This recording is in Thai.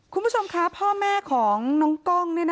คุณผู้ชมคะพ่อแม่ของน้องกล้อง